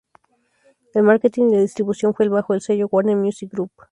El Marketing y la distribución fue bajo el sello Warner Music Group.